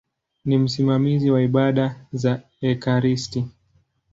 Ni msimamizi wa ibada za ekaristi.